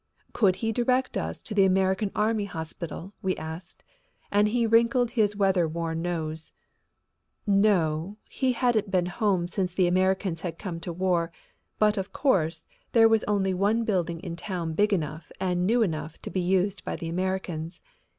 Could he direct us to the American Army Hospital, we asked, and he wrinkled his weather worn nose. No, he hadn't been home since the Americans had come to war, but, of course, there was only one building in town big enough and new enough to be used by the Americans.